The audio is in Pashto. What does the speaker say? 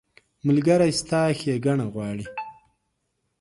ملګری ستا ښېګڼه غواړي.